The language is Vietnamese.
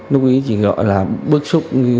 lúc ấy chỉ gọi là bước xúc